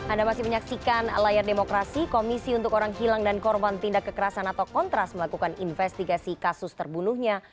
anda masih menyaksikan layar demokrasi komisi untuk orang hilang dan korban tindak kekerasan atau kontras melakukan investigasi kasus terbunuhnya